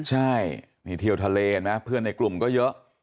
ใช่นี่เที่ยวทะเลเห็นไหมเพื่อนในกลุ่มก็เยอะ